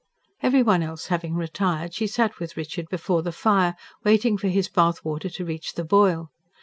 Every one else having retired, she sat with Richard before the fire, waiting for his bath water to reach the boil.